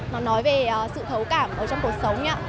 nó nói về sự thấu cảm trong cuộc sống